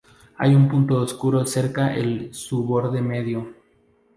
Hay un punto oscuro cerca el su borde medio.